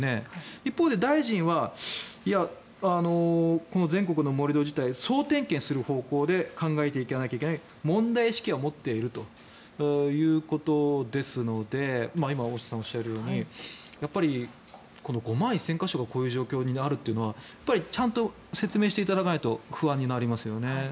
一方で大臣はいや、この全国の盛り土自体を総点検する方向で考えていかないといけない問題意識は持っているということですので今、大下さんがおっしゃるようにやっぱりこの５万１０００か所がこういう状況にあるということはちゃんと説明していただかないと不安になりますよね。